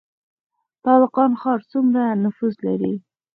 تالقان ښار څومره نفوس لري؟